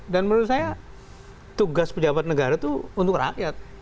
dan menurut saya tugas pejabat negara itu untuk rakyat